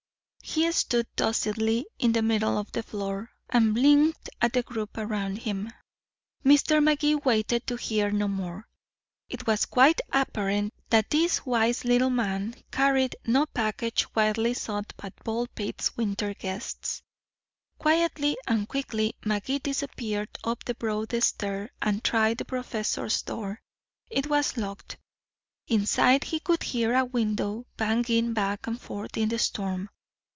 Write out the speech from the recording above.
He stood docilely in the middle of the floor, and blinked at the group around him. Mr. Magee waited to hear no more. It was quite apparent that this wise little man carried no package wildly sought by Baldpate's winter guests. Quietly and quickly Magee disappeared up the broad stair, and tried the professor's door. It was locked. Inside he could hear a window banging back and forth in the storm.